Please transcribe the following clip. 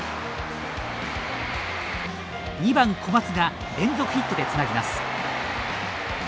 ２番小松が連続ヒットでつなぎます。